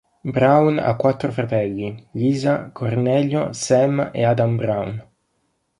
Braun ha quattro fratelli: Liza, Cornelio, Sam e Adam Braun.